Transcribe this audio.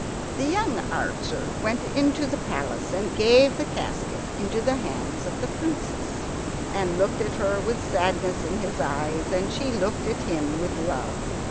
The young archer went into the palace and gave the casket into the hands of the Princess, and looked at her with sadness in his eyes, and she looked at him with love.